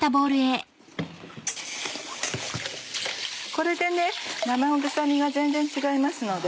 これで生臭みが全然違いますので。